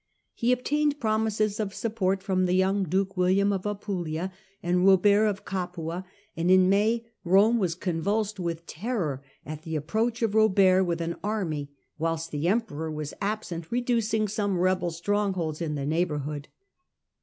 He obtaiued promises of support from the young duke William of Apulia, and Robert of Capua, and in May Rome was convulsed with terror by the approach of Robert with an army whilst the emperor was absent reducing some rebel strongholds in the neighbourhood.